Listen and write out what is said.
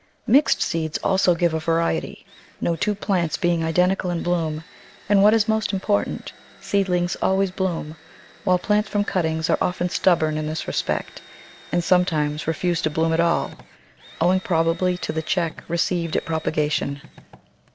Mixed seeds also give a variety, no two plants being identical in bloom, and, what is most important, seed lings always bloom, while plants from cuttings are often stubborn in this respect and sometimes refuse to bloom at all, owing probably to the check received at propagation.